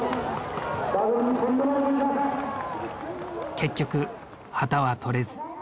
結局旗は取れず。